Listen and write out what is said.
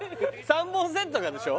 ３本セットがでしょ？